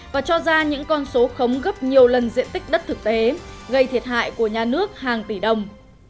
và cho ra những con số khống gấp nhiều lần diện tích đất thực tế gây thiệt hại của nhà nước hàng tỷ đồng